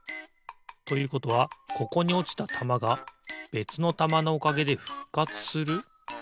ということはここにおちたたまがべつのたまのおかげでふっかつする？